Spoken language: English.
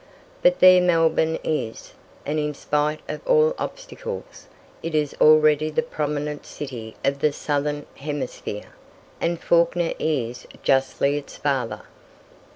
But there Melbourne is, and in spite of all obstacles it is already the prominent city of the Southern Hemisphere, and Fawkner is justly its father.